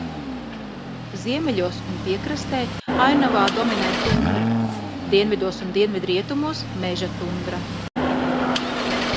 Ziemeļos un piekrastē ainavā dominē tundra, dienvidos un dienvidrietumos – mežatundra.